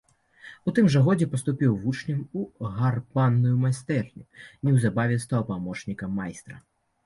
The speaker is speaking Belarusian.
У тым жа годзе паступіў вучнем у гарбарную майстэрню, неўзабаве стаў памочнікам майстра.